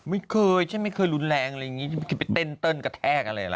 ไม่ใช่ไม่เคยรุนแรงอะไรอย่างนี้จะไปเต้นเติ้ลกระแทกอะไรล่ะ